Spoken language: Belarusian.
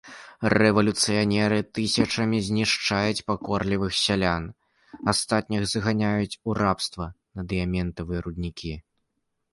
Рэвалюцыянеры тысячамі знішчаюць пакорлівых сялян, астатніх зганяюць у рабства на дыяментавыя руднікі.